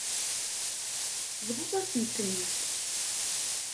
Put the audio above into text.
Bḍut-asen-ten-id.